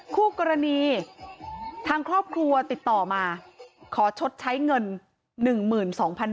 คู่กรณีทางครอบครัวติดต่อมาขอชดใช้เงิน๑๒๐๐๐บาท